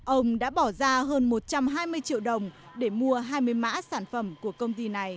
ông đã bỏ ra hơn một trăm hai mươi triệu đồng để mua hai mươi mã sản phẩm của công ty này